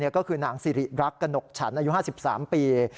ก็คือนางสิริรักษ์กระหนกฉันอายุ๕๓ปี